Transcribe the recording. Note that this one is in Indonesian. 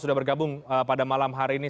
sudah bergabung pada malam hari ini